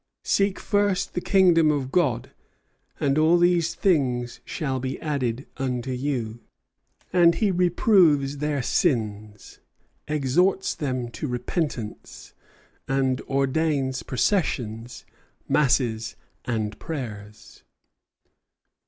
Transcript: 'Seek first the kingdom of God; and all these things shall be added unto you.'" And he reproves their sins, exhorts them to repentance, and ordains processions, masses, and prayers.